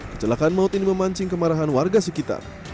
kecelakaan maut ini memancing kemarahan warga sekitar